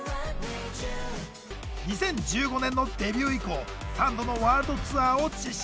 ２０１５年のデビュー以降３度のワールドツアーを実施。